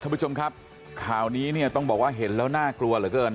คุณผู้ชมครับข่าวนี้เนี่ยต้องบอกว่าเห็นแล้วน่ากลัวเหลือเกิน